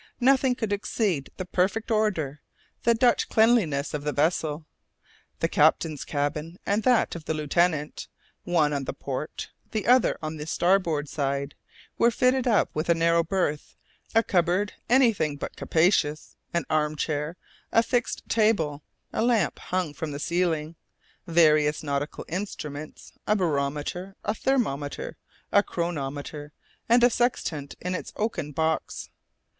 Nothing could exceed the perfect order, the Dutch cleanliness of the vessel. The captain's cabin, and that of the lieutenant, one on the port, the other on the starboard side, were fitted up with a narrow berth, a cupboard anything but capacious, an arm chair, a fixed table, a lamp hung from the ceiling, various nautical instruments, a barometer, a thermometer, a chronometer, and a sextant in its oaken box.